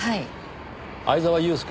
はい。